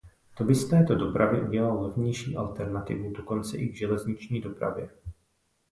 To by z této dopravy udělalo levnější alternativu dokonce i k železniční dopravě.